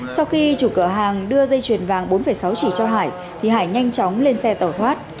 sau khi chủ cửa hàng đưa dây chuyền vàng bốn sáu chỉ cho hải thì hải nhanh chóng lên xe tẩu thoát